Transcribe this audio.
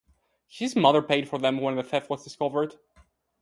His mother paid for them when the theft was discovered.